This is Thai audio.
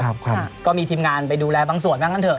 กลับไปศรีเกตวันไหนครับพรุ่งนี้น่ะครับ